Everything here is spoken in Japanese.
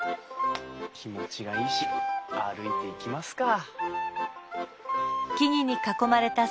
気持ちがいいし歩いていきますか。